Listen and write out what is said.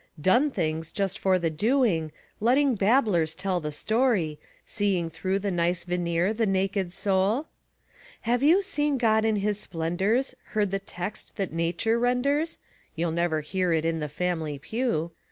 "Done things" just for the doing, letting babblers tell the story, Seeing through the nice veneer the naked soul? Have you seen God in His splendors, heard the text that nature renders? (You'll never hear it in the family pew.)